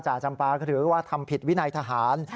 จำปาก็ถือว่าทำผิดวินัยทหาร